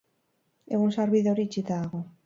Egun sarbide hori itxita dago.